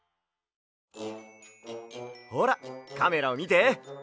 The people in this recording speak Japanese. ほらカメラをみて。